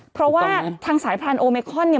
เพราะว่าทางสายพรานโอเมคอนเนี่ย